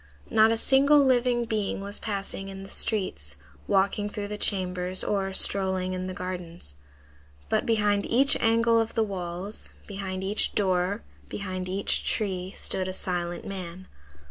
Not a single living being was passing in the streets, walking through the chambers or strolling in the gardens. But behind each angle of the walls, behind each door, behind each tree, stood a silent man.